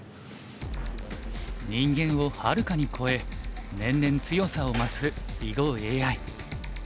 人間をはるかに超え年々強さを増す囲碁ＡＩ。